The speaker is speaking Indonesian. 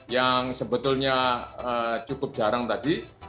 yang sebetulnya cukup jarang tadi